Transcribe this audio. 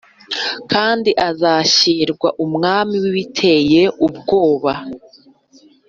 kandi azashyirwa umwami w’ibiteye ubwoba